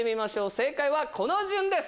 正解はこの順です。